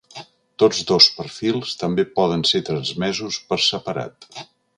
Tots dos perfils també poden ser transmesos per separat.